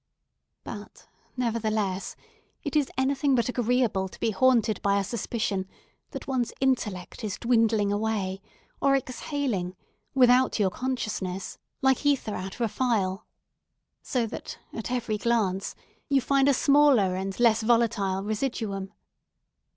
But, nevertheless, it is anything but agreeable to be haunted by a suspicion that one's intellect is dwindling away, or exhaling, without your consciousness, like ether out of a phial; so that, at every glance, you find a smaller and less volatile residuum.